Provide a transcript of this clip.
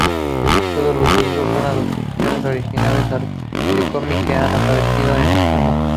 Todos los dibujos son adaptaciones originales de cómics que han aparecido en Humo.